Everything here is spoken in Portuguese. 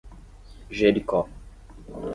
Jericó